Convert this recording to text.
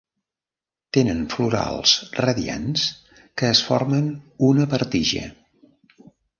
Tenen florals radiants que es formen una per tija.